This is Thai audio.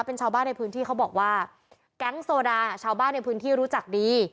เป็นชาวบ้านในพื้นที่เขาบอกว่าแก๊งโซดาชาวบ้านในพื้นที่รู้จักดี